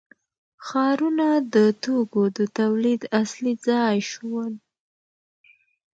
ښارونه د توکو د تولید اصلي ځای شول.